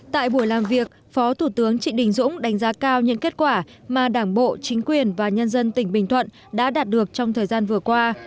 tại buổi làm việc phó thủ tướng trịnh đình dũng đánh giá cao những kết quả mà đảng bộ chính quyền và nhân dân tỉnh bình thuận đã đạt được trong thời gian vừa qua